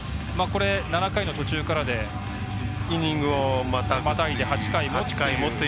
７回の途中からでイニングまたいで８回もと。